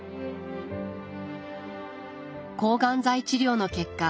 抗がん剤治療の結果